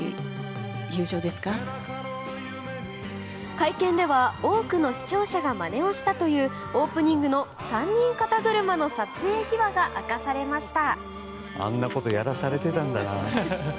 会見では多くの視聴者がまねをしたというオープニングの３人肩車の撮影秘話が明かされました。